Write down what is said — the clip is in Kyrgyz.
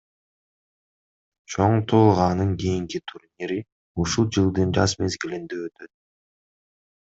Чоң туулганын кийинки турнири ушул жылдын жаз мезгилинде өтөт.